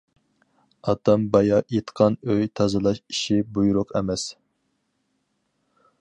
-ئاتام بايا ئېيتقان ئۆي تازىلاش ئىشى بۇيرۇق ئەمەس.